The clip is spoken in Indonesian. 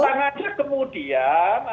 katanya kemudian adalah